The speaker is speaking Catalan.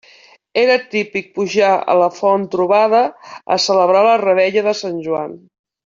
Era típic pujar a la Font Trobada a celebrar la revetlla de Sant Joan.